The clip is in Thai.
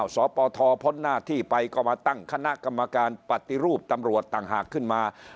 สปทพ้นหน้าที่ไปก็มาตั้งคณะกรรมการปฏิรูปตำรวจต่างหากขึ้นมา